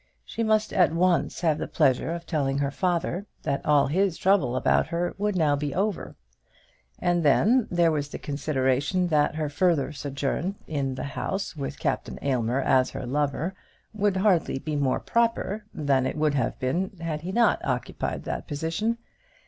She must at once have the pleasure of telling her father that all his trouble about her would now be over; and then, there was the consideration that her further sojourn in the house, with Captain Aylmer as her lover, would hardly be more proper than it would have been had he not occupied that position.